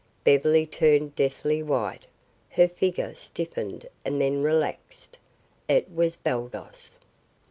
Beverly turned deathly white, her figure stiffened and then relaxed. It was Baldos!